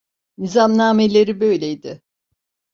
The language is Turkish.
Nizamnameleri böyleydi.